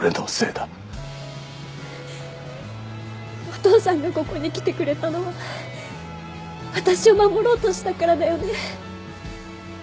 お父さんがここに来てくれたのは私を守ろうとしたからだよね。